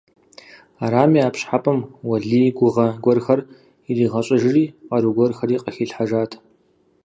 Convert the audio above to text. Арами, а пщӀыхьэпӀэм Уэлий гугъэ гуэрхэр иригъэщӀыжри къару гуэрхэри къыхилъхьэжат.